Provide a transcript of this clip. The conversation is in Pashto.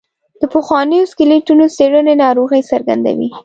د پخوانیو سکلیټونو څېړنې ناروغۍ څرګندوي.